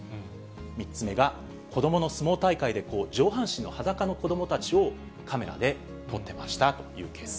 ３つ目が、子どもの相撲大会で上半身のはだかの子どもたちをカメラで撮ってましたというケース。